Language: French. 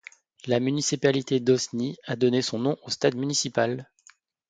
La municipalité d'Osny a donné son nom au stade municipal.